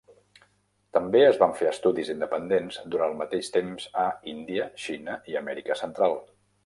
També es van fer estudis independents durant el mateix temps a Índia, Xina i Amèrica Central.